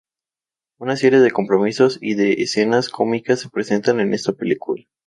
Una serie de compromisos y de escenas cómicas se presentan en esta película.